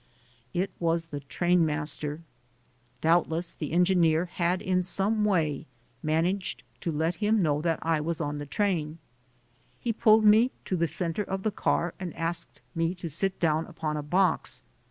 It was the train master. Doubtless the engineer had in some way managed to let him know that I was on the train. He pulled me to the center of the car and asked me to sit down upon a box.